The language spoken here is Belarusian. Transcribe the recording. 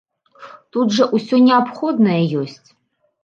Тут жа ўсё неабходнае ёсць.